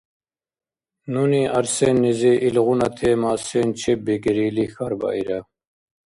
Нуни Арсеннизи илгъуна тема сен чеббикӀири или хьарбаира.